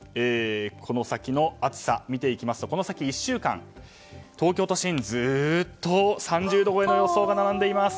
この先の暑さ見ていきますと、この先１週間東京都心、ずっと３０度超えの予想が並んでいます。